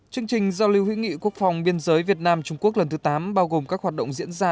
chương trình giao lưu hữu nghị quốc phòng biên giới việt nam trung quốc lần thứ tám bao gồm các hoạt động diễn ra